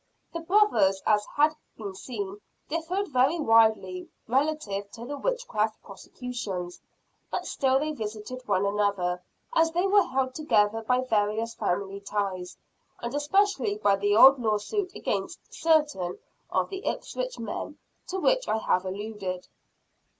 The brothers, as has been seen, differed very widely relative to the Witchcraft prosecutions; but still they visited one another, as they were held together by various family ties, and especially by the old lawsuit against certain of the Ipswich men, to which I have alluded.